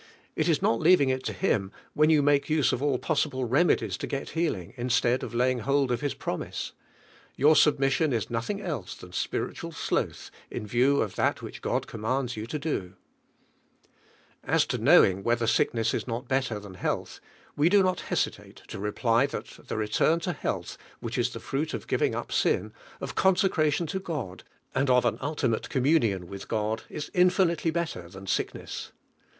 It is not leaving it to Hbaa when you make use of all possible remedies to got healing, In stead of laying hold of His promise, 154 DIVINE HEALINC1. Your submission is nothing else than spiritual sloth ill view of that which God commands you to do. As to knowing whether sicklies is not better than health, we do not hesitate to reply that the return to health which is the fruit of giving up sin, of consecration to God, and of an ultiinale ri million with God, is infinitely better than Bick ness.